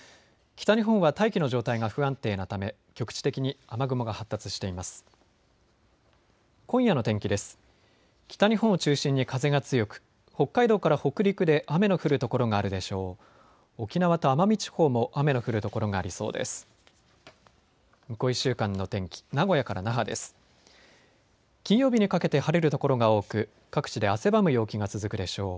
北日本を中心に風が強く北海道から北陸で雨の降る所があるでしょう。